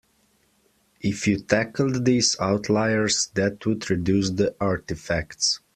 If you tackled these outliers that would reduce the artifacts.